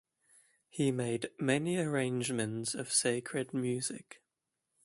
He made many arrangements of sacred music.